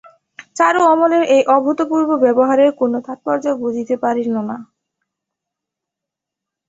চারু অমলের এই অভূতপূর্ব ব্যবহারের কোনো তাৎপর্য বুঝিতে পারিল না।